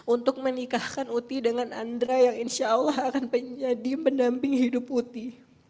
untuk menikahkan uti dengan andra yang insya allah akan menjadi pendamping hidup uti